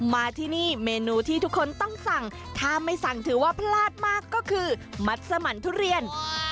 มาที่นี่เมนูที่ทุกคนต้องสั่งถ้าไม่สั่งถือว่าพลาดมากก็คือมัดสมันทุเรียน